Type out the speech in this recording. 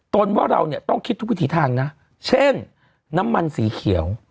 ว่าเราเนี่ยต้องคิดทุกวิถีทางนะเช่นน้ำมันสีเขียว